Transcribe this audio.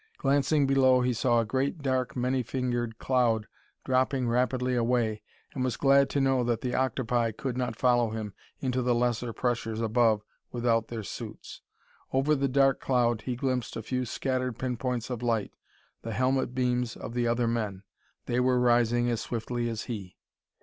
Glancing below he saw a great, dark, many fingered cloud dropping rapidly away, and was glad to know that the octopi could not follow him into the lesser pressures above without their suits. Over the dark cloud he glimpsed a few scattered pin points of light the helmet beams of the other men. They were rising as swiftly as he.